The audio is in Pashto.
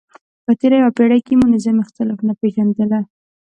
په تېره یوه پیړۍ کې مو نظام اختلاف نه پېژندلی.